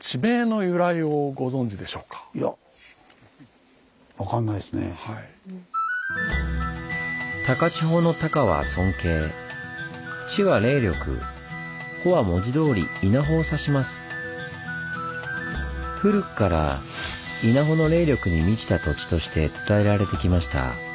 古くから稲穂の霊力に満ちた土地として伝えられてきました。